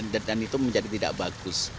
dan itu menjadi tidak bagus